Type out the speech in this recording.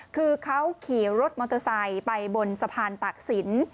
คือเขาขี่รถมอเตอร์ไซค์ไปบนสะพานตากศิลป์